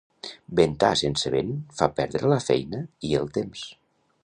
Ventar sense vent fa perdre la feina i el temps.